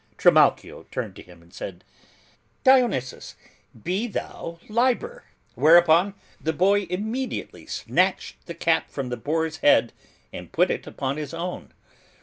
Trimalchio turned to him and said, "Dionisus, be thou Liber," whereupon the boy immediately snatched the cap from the boar's head, and put it upon his own.